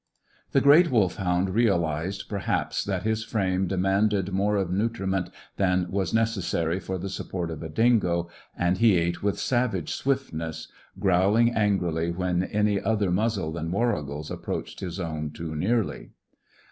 The great Wolfhound realized perhaps that his frame demanded more of nutriment than was necessary for the support of a dingo, and he ate with savage swiftness, growling angrily when any other muzzle than Warrigal's approached his own too nearly.